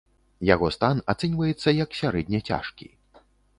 Яго стан ацэньваецца як сярэдне цяжкі.